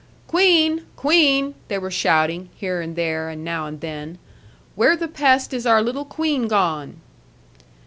'Queen, queen!' they were shouting, here and there, and now and then: 'where the pest is our little queen gone?'